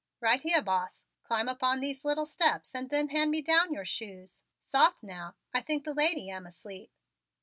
"Right here, Boss. Climb up on these little steps and then hand me down your shoes. Soft now; I think the lady am asleep."